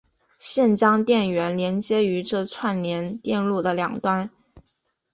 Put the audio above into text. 现将电源连接于这串联电路的两端。